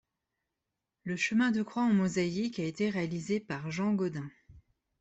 Le chemin de croix en mosaïque a été réalisé par Jean Gaudin.